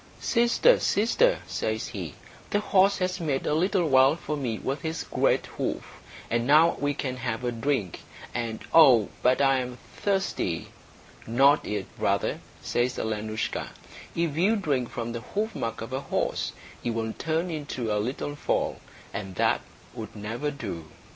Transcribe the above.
"Sister, sister," says he, "the horse has made a little well for me with his great hoof, and now we can have a drink; and oh, but I am thirsty!" "Not yet, brother," says Alenoushka. "If you drink from the hoofmark of a horse, you will turn into a little foal, and that would never do."